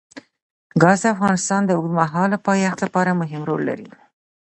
ګاز د افغانستان د اوږدمهاله پایښت لپاره مهم رول لري.